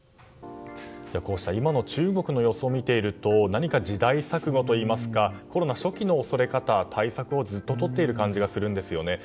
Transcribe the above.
こうした今の中国の様子を見ていると時代錯誤といいますかコロナ初期の恐れ方、対策をずっととっている感じがするんですよね。